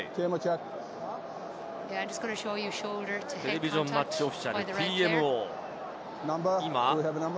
テレビジョン・マッチ・オフィシャル、ＴＭＯ。